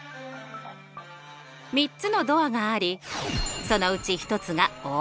３つのドアがありそのうち１つが大当たり。